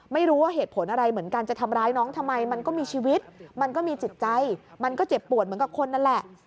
ไม่รู้ว่าเหตุผลอะไรเหมือนกันจะทำร้ายน้องทำไมมันก็มีชีวิตมันก็มีจิตใจมันก็เจ็บปวดเหมือนกับคนนั่นแหละ